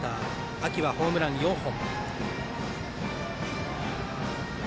秋はホームラン４本。